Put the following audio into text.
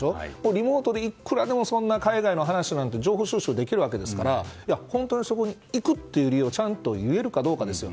リモートでいくらでも海外の話なんで情報収集できるわけですから本当に行くという理由をちゃんと言えるかどうかですよ。